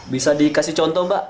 bisa dikasih contoh mbak